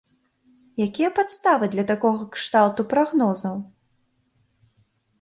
Якія падставы для такога кшталту прагнозаў?